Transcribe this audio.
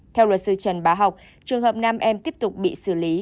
theo luật sư trần bá học trường hợp nam em tiếp tục bị xử lý